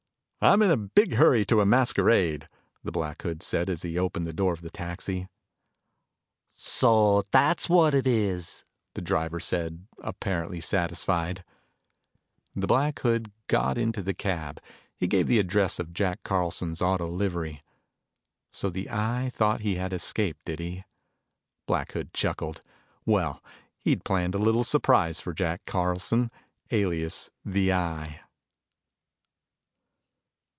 "I'm in a big hurry to get to a masquerade," Black Hood said as he opened the door of the taxi. "So that's what it is," the driver said, apparently satisfied. As Black Hood got into the cab, he gave the address of Jack Carlson's auto livery. So the Eye thought he had escaped, did he? Black Hood chuckled. Well, he'd planned a little surprise for Jack Carlson, alias, the Eye!